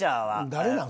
誰なん？